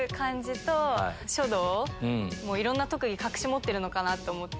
いろんな特技隠し持ってるのかなと思って。